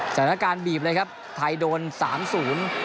จากนักการบีบเลยครับไทยโดนสามศูนย์